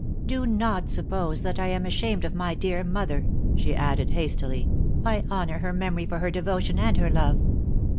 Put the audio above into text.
Do not suppose that I am ashamed of my dear mother," she added hastily; " I honour her memory for her devotion and her love.